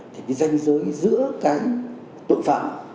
thì cái danh giới giữa cái tội phạm